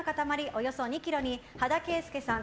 およそ２ｋｇに羽田圭介さん